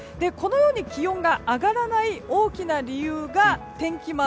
このように気温が上がらない大きな理由が天気